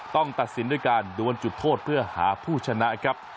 ตัดสินด้วยการดวนจุดโทษเพื่อหาผู้ชนะครับ